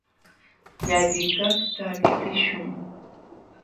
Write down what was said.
Llalliqkaqta qipiśhun.